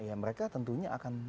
ya mereka tentunya akan